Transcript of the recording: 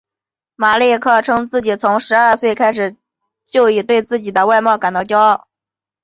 马利克称自己从十二岁开始就对自己的外貌感到骄傲。